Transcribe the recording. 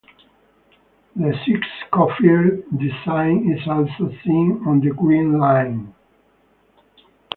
The six-coffer design is also seen on the Green Line.